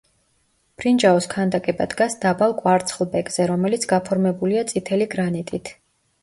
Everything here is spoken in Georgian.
ბრინჯაოს ქანდაკება დგას დაბალ კვარცხლბეკზე, რომელიც გაფორმებულია წითელი გრანიტით.